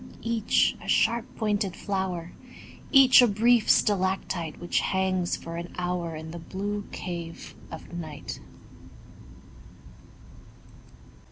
Each a sharp pointed flower, Each a brief stalactite Which hangs for an hour In the blue cave of night.